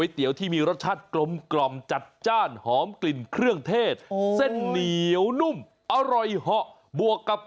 ทำไมรู้ไหม